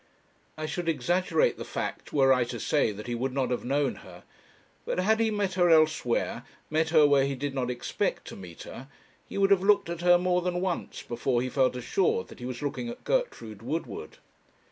I should exaggerate the fact were I to say that he would not have known her; but had he met her elsewhere, met her where he did not expect to meet her, he would have looked at her more than once before he felt assured that he was looking at Gertrude Woodward.